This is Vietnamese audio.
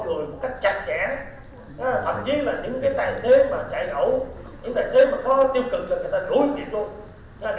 quản lý hoạt động của uber grab phải như một doanh nghiệp taxi hoạt động ở việt nam